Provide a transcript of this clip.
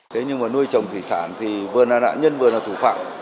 thế nhưng mà nuôi trồng thủy sản thì vừa là nạn nhân vừa là thủ phạm